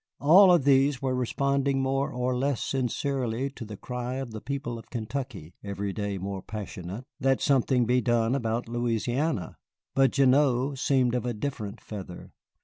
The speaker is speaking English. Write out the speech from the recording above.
All of these were responding more or less sincerely to the cry of the people of Kentucky (every day more passionate) that something be done about Louisiana. But Gignoux seemed of a different feather.